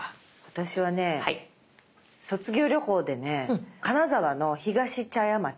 私はね卒業旅行でね金沢のひがし茶屋街。